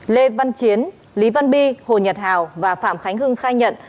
lê văn chiến lý văn bi hồ nhật hào và phạm khánh hưng khai nhận